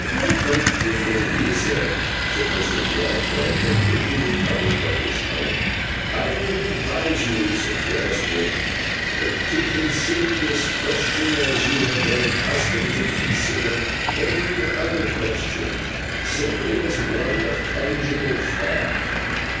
'Why, my dear Louisa,' said Mr. Gradgrind, completely recovered by this time, 'I would advise you (since you ask me) to consider this question, as you have been accustomed to consider every other question, simply as one of tangible Fact.